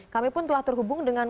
kami pun telah terhubung dengan